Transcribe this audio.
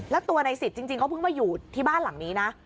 แล้วตัวในสิทธิ์จริงเขาเพิ่งมาอยู่ที่บ้านหลังนี้นะ